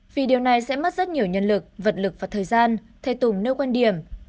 vì điều này sẽ mất rất nhiều nhân lực vật lực và thời gian thầy tùng nêu quan điểm